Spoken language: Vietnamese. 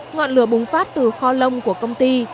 ngọn lửa bùng phát từ kho lông của công ty